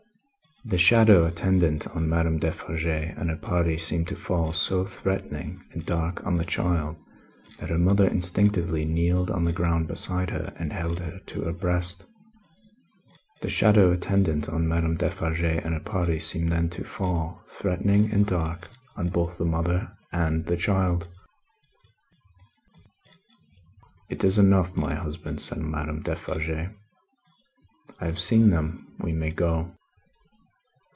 The shadow attendant on Madame Defarge and her party seemed to fall so threatening and dark on the child, that her mother instinctively kneeled on the ground beside her, and held her to her breast. The shadow attendant on Madame Defarge and her party seemed then to fall, threatening and dark, on both the mother and the child. "It is enough, my husband," said Madame Defarge. "I have seen them. We may go."